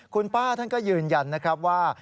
คุณป้าท่านก็ยืนยันนะครับว่า